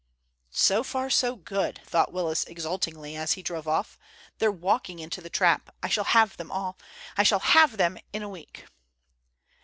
"So far so good," thought Willis exultingly, as he drove off. "They're walking into the trap! I shall have them all. I shall have them in a week."